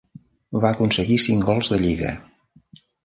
Va aconseguir cinc gols de lliga.